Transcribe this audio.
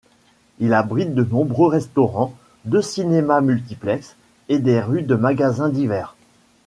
Il abrite de nombreux restaurants, deux cinémas multiplex, et des rues de magasins divers.